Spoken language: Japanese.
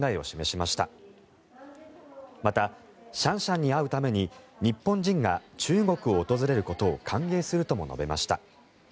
また、シャンシャンに会うために日本人が中国を訪れることを歓迎するとも述べました。